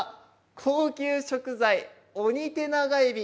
高級食材、オニテナガエビ。